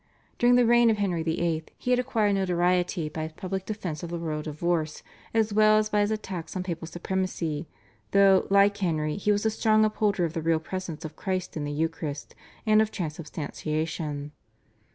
During the reign of Henry VIII. he had acquired notoriety by his public defence of the royal divorce, as well as by his attacks on papal supremacy, though, like Henry, he was a strong upholder of the Real Presence of Christ in the Eucharist, and of Transubstantiation.